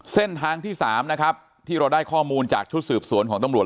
เส้นทางที่๓นะครับที่เราได้ข้อมูลจากชุดสืบสวนของตำรวจ